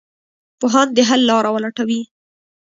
پوهان د حل لاره ولټوي.